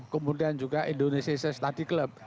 kemudian juga indonesia study club